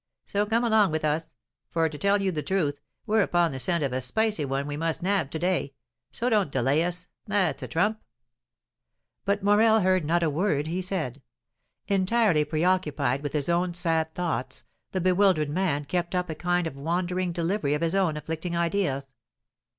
So come along with us; for, to tell you the truth, we're upon the scent of a spicy one we must nab to day. So don't delay us, that's a trump!" But Morel heard not a word he said. Entirely preoccupied with his own sad thoughts, the bewildered man kept up a kind of wandering delivery of his own afflicting ideas.